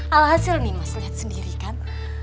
alhasil nih mas lihat sendiri kan